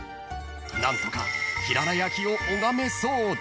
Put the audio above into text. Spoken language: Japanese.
［何とかひらら焼きを拝めそうだ］